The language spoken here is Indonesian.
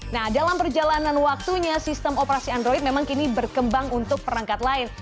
nah dalam perjalanan waktunya sistem operasi android memang kini berkembang untuk perangkat lain